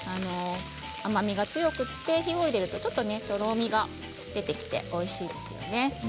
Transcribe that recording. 甘みが強くて火を入れるとちょっととろみが出てきておいしいですよね。